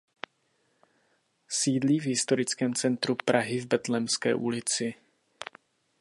Sídlí v historickém centru Prahy v Betlémské ulici.